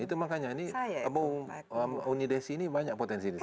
itu makanya ini uni desi ini banyak potensi disana